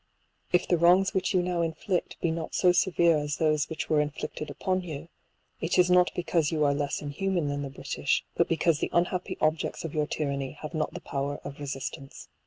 If the wrongs which you now inflict be not so severe as those which were inflicted upon you, it is not because you are less inhu man than the British, but because the unhappy objects of your tyranny have not the power of resistance.